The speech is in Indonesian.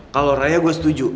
kalo raya gue setuju